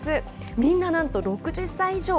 みんな、なんと６０歳以上。